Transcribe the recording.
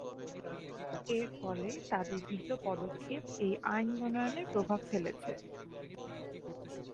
এর ফলে তাদের গৃহীত পদক্ষেপ এই আইন প্রণয়নে প্রভাব ফেলেছে।